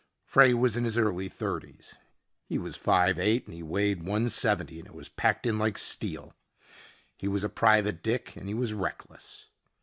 Frey was in his early thirties. He was five eight and he weighed 170 and it was packed in like steel. He was a private dick and he was reckless.